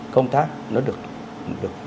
công tác nó được